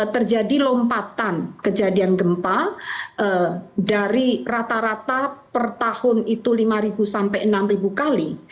terjadi lompatan kejadian gempa dari rata rata per tahun itu lima sampai enam kali